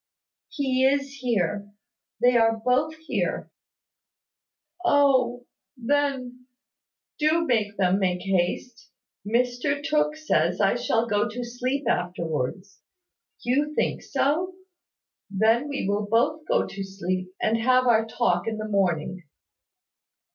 "He is here, they are both here." "Oh, then, do make them make haste. Mr Tooke says I shall go to sleep afterwards. You think so? Then we will both go to sleep, and have our talk in the morning.